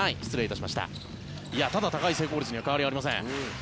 ただ、高い成功率には変わりありません。